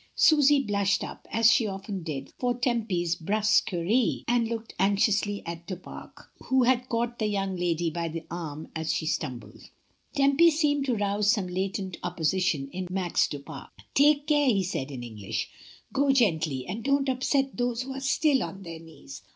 Susy blushed up, as she often did, for Tempy's hrusquerity and looked anxiously at Du Pare, who had caught the young lady by the arm as she stumbled. Tempy seemed to rouse some latent opposition in Max du Pare "Take care," he said in English; "go gently, and don't upset those who are still on their knees.